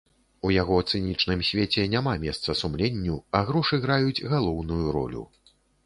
У яго цынічным свеце няма месца сумленню, а грошы граюць галоўную ролю.